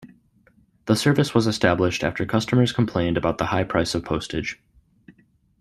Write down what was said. The service was established after customers complained about the high price of postage.